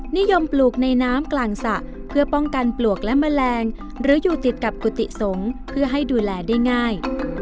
นิยมปลูกในน้ำกลางสระเพื่อป้องกันปลวกและแมลงหรืออยู่ติดกับกุฏิสงฆ์เพื่อให้ดูแลได้ง่าย